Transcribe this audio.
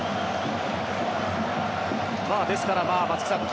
ですから、松木さん